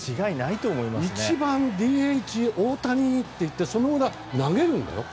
１番、ＤＨ大谷っていってその裏、投げるんだよ。